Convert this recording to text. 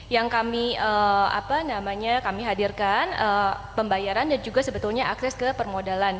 yang kami hadirkan pembayaran dan juga sebetulnya akses ke permodalan